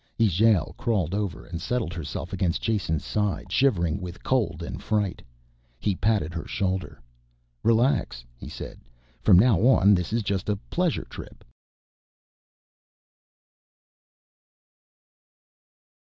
Ijale crawled over and settled herself against Jason's side, shivering with cold and fright. He patted her shoulder. "Relax," he said, "from now on this is just a pleasure trip."